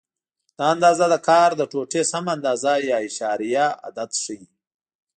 دا اندازه د کار د ټوټې سمه اندازه یا اعشاریه عدد ښیي.